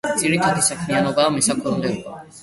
ძირითადი საქმიანობაა მესაქონლეობა.